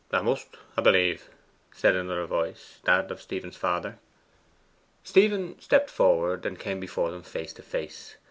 ''A must 'a b'lieve,' said another voice that of Stephen's father. Stephen stepped forward, and came before them face to face.